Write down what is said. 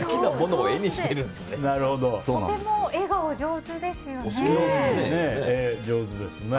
とても絵がお上手ですよね。